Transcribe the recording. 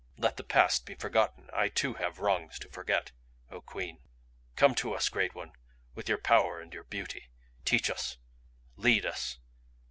"Let the past be forgotten I too have wrongs to forget, O Queen. Come to us, Great One, with your power and your beauty. Teach us. Lead us.